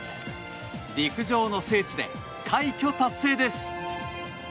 陸上の聖地で快挙達成です。